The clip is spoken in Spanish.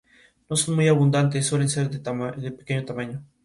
No son muy abundantes y suelen ser de pequeño tamaño.